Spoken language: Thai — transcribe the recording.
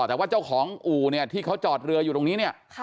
แต่ว่าเจ้าของอู่เนี่ยที่เขาจอดเรืออยู่ตรงนี้เนี่ย